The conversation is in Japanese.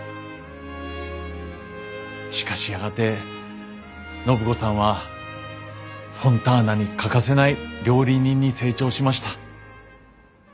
しかしやがて暢子さんはフォンターナに欠かせない料理人に成長しました。